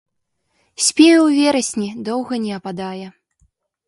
Спее ў верасні, доўга не ападае.